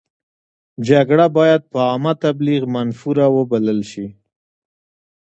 جګړه باید په عامه تبلیغ منفوره وبلل شي.